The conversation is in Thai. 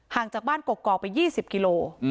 ห่างจากบ้านกกกไป๒๐กิโล